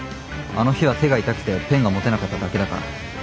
あの日は手が痛くてペンが持てなかっただけだから。